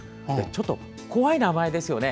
ちょっと怖い名前ですよね